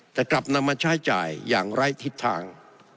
แต่กลับนำมาใช้จ่ายอย่างไร้ทิศทาง